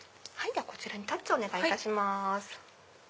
こちらにタッチお願いいたします。